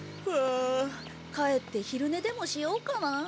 ふわあ帰って昼寝でもしようかな。